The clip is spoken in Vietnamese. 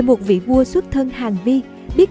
một vị vua xuất thân hàng vi biết